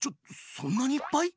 そんなにいっぱい？